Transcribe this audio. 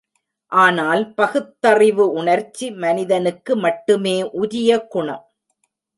ஆனால், பகுத்தறிவு உணர்ச்சி மனிதனுக்கு மட்டுமே உரிய குணம்.